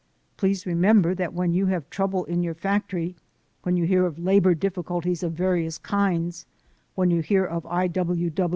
Please remember that when you have trouble in your factory, when you hear of labor difficulties of various kinds ; when you hear of I.